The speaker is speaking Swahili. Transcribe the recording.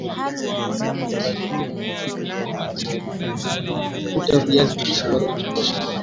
Futa viazi lishe baada ya kuviosha